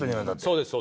そうです。